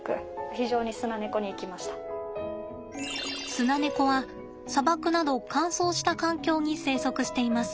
スナネコは砂漠など乾燥した環境に生息しています。